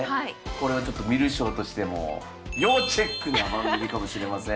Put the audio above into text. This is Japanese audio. これはちょっと観る将としても要チェックな番組かもしれません。